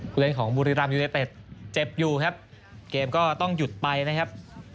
เล่นของบุรีรัมยูเนเต็ดเจ็บอยู่ครับเกมก็ต้องหยุดไปนะครับ